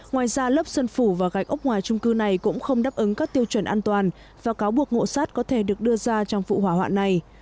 ngoài ra lớp sơn phủ và gạch ốc ngoài trung cư này cũng không đáp ứng các tiêu chuẩn an toàn và cáo buộc ngộ sát có thể được đưa ra trong vụ hỏa hoạn này